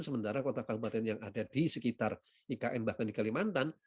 sementara kota kabupaten yang ada di sekitar ikn bahkan di kalimantan